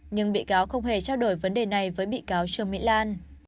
nhưng bị cáo không hề trao đổi vấn đề này với bị cáo trương mỹ lan